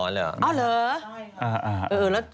เอาคนแม่มาด้วยใช้ค่ะเอ้าเหรอ